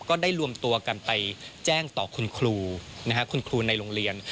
ก็ได้รวมตัวกันไปแจ้งต่อคุณครูคุณครูในโรงเรียน